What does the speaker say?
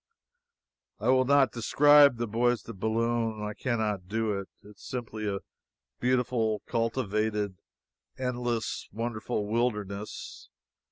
I will not describe the Bois de Boulogne. I can not do it. It is simply a beautiful, cultivated, endless, wonderful wilderness.